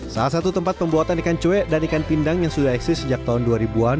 salah satu tempat pembuatan ikan cuek dan ikan pindang yang sudah eksis sejak tahun dua ribu an